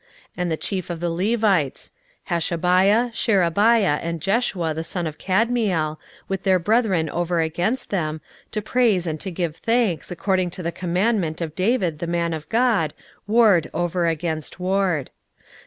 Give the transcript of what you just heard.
16:012:024 And the chief of the Levites: Hashabiah, Sherebiah, and Jeshua the son of Kadmiel, with their brethren over against them, to praise and to give thanks, according to the commandment of David the man of God, ward over against ward.